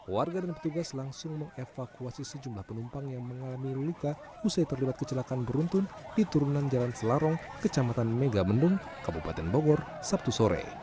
warga dan petugas langsung mengevakuasi sejumlah penumpang yang mengalami luka usai terlibat kecelakaan beruntun di turunan jalan selarong kecamatan megamendung kabupaten bogor sabtu sore